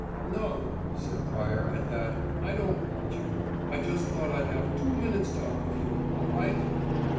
"No," said Pryor, at that. "I don't want you. I just thought I'd have two minutes' talk with you. All right?"